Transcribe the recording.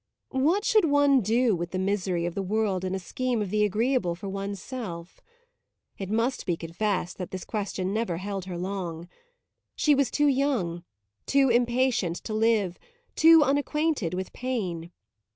What should one do with the misery of the world in a scheme of the agreeable for one's self? It must be confessed that this question never held her long. She was too young, too impatient to live, too unacquainted with pain.